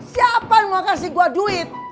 siapa yang mau kasih gue duit